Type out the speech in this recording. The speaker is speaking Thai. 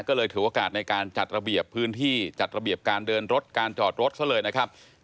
ก็เลยถือโอกาสในการจัดระเบียบพื้นที่จัดระเบียบการเดินรถการจอดรถซะเลยนะครับ